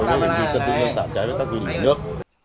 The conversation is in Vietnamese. rồi nó sẽ bị cất dấu dân tạo trái với các quy định nước